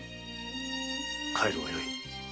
帰るがよい。